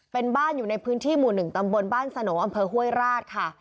เป็นบ้านอยู่ในพื้นที่หมู่๑ตำบลบ้านสโนอำเภอห้วยราชค่ะ